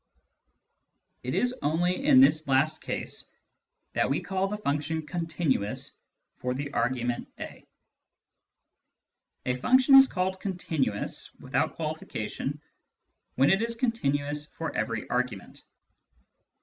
It is only in this last case that we call the function continuous for the argument a. A function is called " continuous " (without qualification) when it is continuous for every argument.